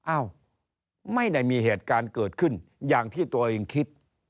อ้าวไม่ได้มีเหตุการณ์เกิดขึ้นอย่างที่ตัวเองคิด